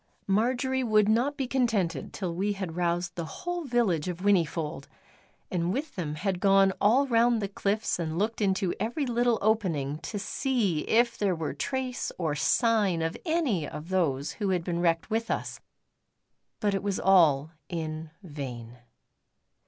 Marjory would not be contented till we had roused the whole village of Whinnyfold, and with them had gone all round the cliffs and looked into every little opening to see if there were trace or sign of any of those who had been wrecked with us. But it was all in vain.